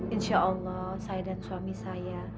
insya allah saya dan suami saya